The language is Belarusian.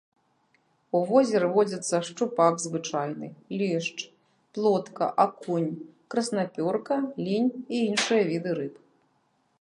У возеры водзяцца шчупак звычайны, лешч, плотка, акунь, краснапёрка, лінь і іншыя віды рыб.